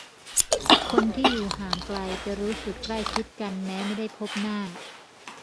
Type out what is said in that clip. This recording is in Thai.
คนที่อยู่ห่างไกลจะรู้สึกใกล้ชิดกันแม้ไม่ได้พบหน้า